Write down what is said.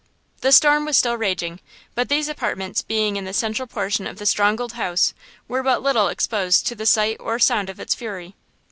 The storm was still raging, but these apartments being in the central portion of the strong old house, were but little exposed to the sight or sound of its fury.